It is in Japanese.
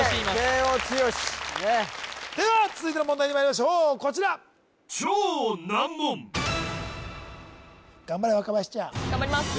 慶應強しねっでは続いての問題にまいりましょうこちら頑張れ若林ちゃん頑張ります